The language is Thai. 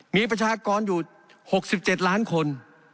มีประชากรอยู่๖๗ล้านคน